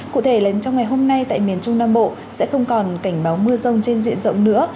cụ thể là trong ngày hôm nay tại miền trung nam bộ sẽ không còn cảnh báo mưa rông trên diện rộng nữa